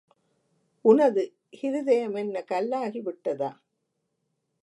உனது ஹிருதயமென்ன கல்லாகி விட்டதா?